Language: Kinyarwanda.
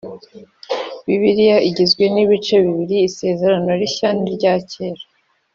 bibiliya igizwe nibice bibiri isezerano rishya ni rya kera